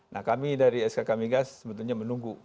nah kami dari skk migas sebetulnya menunggu